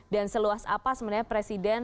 dan seluas apa sebenarnya presiden